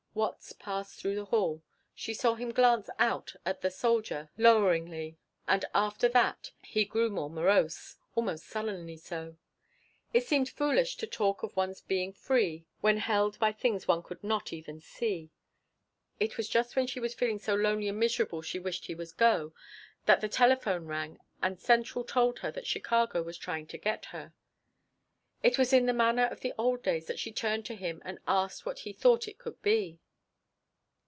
Watts passed through the hall. She saw him glance out at the soldier loweringly and after that he grew more morose, almost sullenly so. It seemed foolish to talk of one's being free when held by things one could not even see. It was just when she was feeling so lonely and miserable she wished he would go that the telephone rang and central told her that Chicago was trying to get her. It was in the manner of the old days that she turned to him and asked what he thought it could be.